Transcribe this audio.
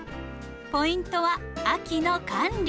ポイントは秋の管理。